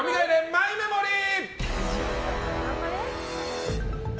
マイメモリー！